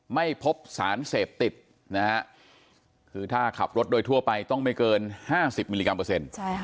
ไม่พบสารเสพติดนะฮะคือถ้าขับรถโดยทั่วไปต้องไม่เกิน๕๐มิลลิกรัมเปอร์เซ็นต์